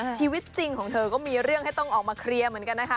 ชีวิตจริงของเธอก็มีเรื่องให้ต้องออกมาเคลียร์เหมือนกันนะคะ